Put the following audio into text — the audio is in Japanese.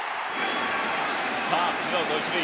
さあツーアウト一塁。